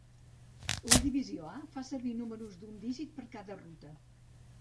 La divisió A fa servir números d'un dígit per cada ruta.